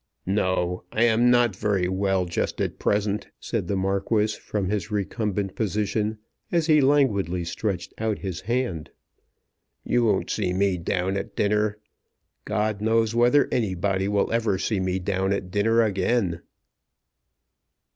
"No; I am not very well just at present," said the Marquis from his recumbent position as he languidly stretched out his hand. "You won't see me down at dinner. God knows whether anybody will ever see me down at dinner again."